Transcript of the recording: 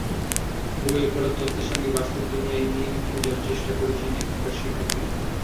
বইয়ে পড়া তত্ত্বের সঙ্গে বাস্তব দুনিয়ায় মিল খোঁজার চেষ্টা করছেন এখনকার শিক্ষার্থীরা।